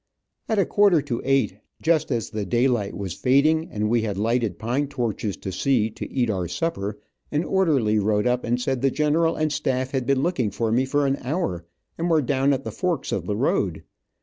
At a quarter to eight, just as the daylight was fading, and we had lighted pine torches to see to eat our supper, an orderly rode up and said the general and staff had been looking for me for an hour, and were down at the forks of the road.